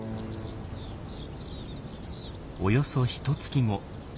およそひと月後。